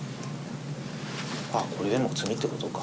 これでもう詰みってことか。